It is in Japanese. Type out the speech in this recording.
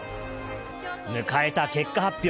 迎えた結果発表。